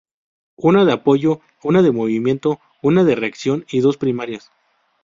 Una de apoyo, una de movimiento, una de reacción y dos primarias.